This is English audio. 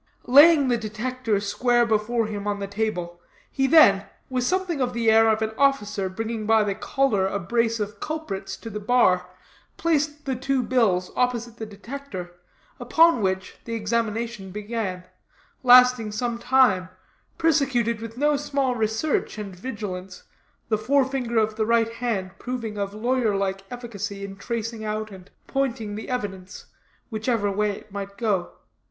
Laying the Detector square before him on the table, he then, with something of the air of an officer bringing by the collar a brace of culprits to the bar, placed the two bills opposite the Detector, upon which, the examination began, lasting some time, prosecuted with no small research and vigilance, the forefinger of the right hand proving of lawyer like efficacy in tracing out and pointing the evidence, whichever way it might go.